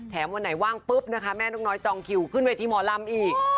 วันไหนว่างปุ๊บนะคะแม่นกน้อยจองคิวขึ้นเวทีหมอลำอีก